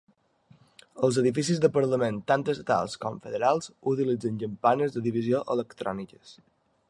Els edificis de Parlament tant Estatals com Federals utilitzen campanes de divisió electròniques.